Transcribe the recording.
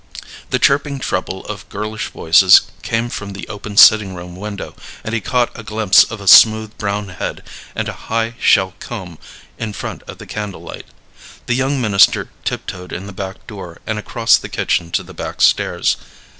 The chirping treble of girlish voices came from the open sitting room window, and he caught a glimpse of a smooth brown head and a high shell comb in front of the candle light. The young minister tiptoed in the back door and across the kitchen to the back stairs.